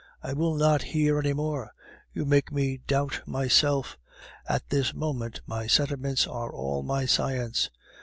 I will not hear any more; you make me doubt myself. At this moment my sentiments are all my science."